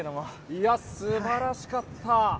いや、すばらしかった。